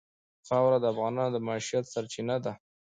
خاوره د افغانانو د معیشت سرچینه ده.